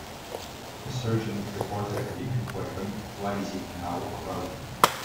The sergeant reportedly enquired What is it now, Crowden?